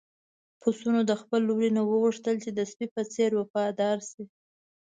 پسونو د خپل وري نه وغوښتل چې د سپي په څېر وفادار شي.